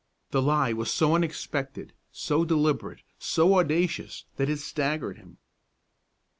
The lie was so unexpected, so deliberate, so audacious, that it staggered him.